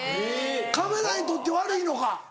カメラにとって悪いのか。